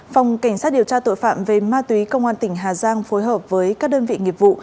phòng cảnh sát điều tra tội phạm về ma túy công an tỉnh hà giang phối hợp với các đơn vị nghiệp vụ